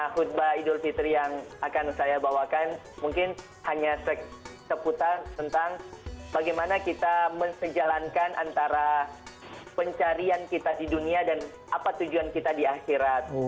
khutbah idul fitri yang akan saya bawakan mungkin hanya seputar tentang bagaimana kita mensejalankan antara pencarian kita di dunia dan apa tujuan kita di akhirat